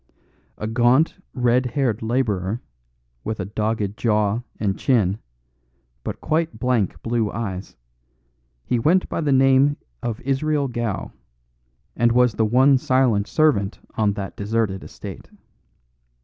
A gaunt, red haired labourer, with a dogged jaw and chin, but quite blank blue eyes, he went by the name of Israel Gow, and was the one silent servant on that deserted estate.